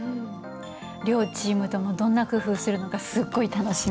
両チームともどんな工夫するのかすっごい楽しみ。